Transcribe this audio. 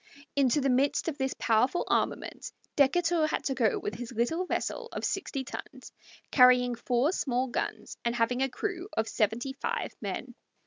Into the midst of this powerful armament Decatur had to go with his little vessel of sixty tons, carrying four small guns and having a crew of seventy five men.